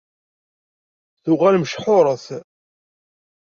Tuɣal mecḥuṛet.